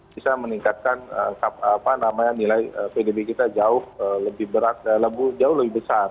bisa meningkatkan nilai pdb kita jauh lebih besar